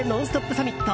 サミット。